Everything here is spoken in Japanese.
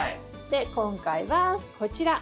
で今回はこちら。